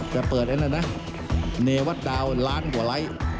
มันเปิดแล้วนะเนวัตดาวน์ล้านกว่าไร้